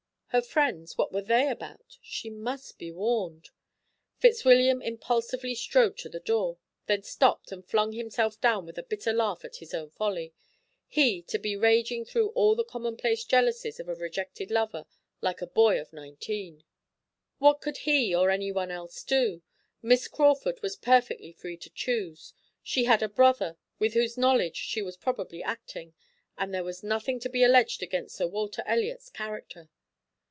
Her friends what were they about? She must be warned. Fitzwilliam impulsively strode to the door, then stopped and flung himself down with a bitter laugh at his own folly he to be raging through all the commonplace jealousies of a rejected lover, like any boy of nineteen! What could he or anyone else do? Miss Crawford was perfectly free to choose; she had a brother, with whose knowledge she was probably acting, and there was nothing to be alleged against Sir Walter Elliot's character.